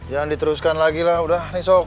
jangan diteruskan lagi lah udah nih sok